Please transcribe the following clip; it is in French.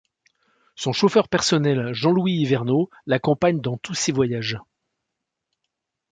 Son chauffeur personnel, Jean-Louis Hyvernaud, l'accompagne dans tous ses voyages.